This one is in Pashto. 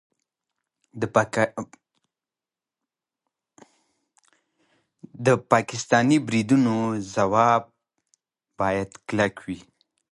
د پاکستاني بریدونو ځواب باید کلک وي.